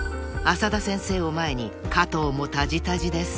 ［浅田先生を前に加藤もタジタジです］